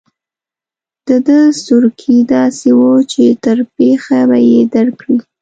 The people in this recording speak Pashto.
د ده سروکي داسې وو چې تر بېخه به یې درکړي.